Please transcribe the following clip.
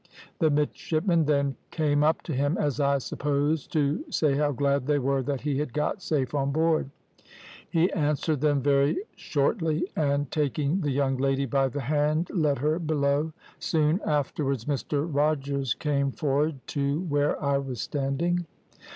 The midshipmen then came up to him, as I supposed, to say how glad they were that he had got safe on board. He answered them very shortly, and taking the young lady by the hand led her below. Soon afterwards Mr Rogers came for'ard to where I was standing.